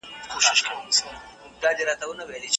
هغه کتاب چې تا لیکلی دی ډېر ګټور دی.